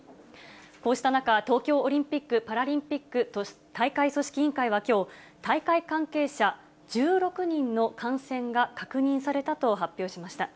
こうした中、東京オリンピック・パラリンピック大会組織委員会はきょう、大会関係者１６人の感染が確認されたと発表しました。